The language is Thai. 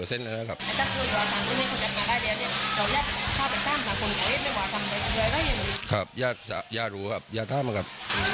ส่วนสังการณ์นี้ก็คือเราจำนวนความพร้อมให้นะได้ทั้งทีครับ